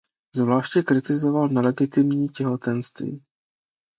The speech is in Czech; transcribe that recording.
Zvláště kritizoval nelegitimní těhotenství.